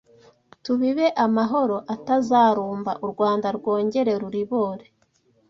Tubibe amahoro atazarumba U Rwanda rwongere ruribore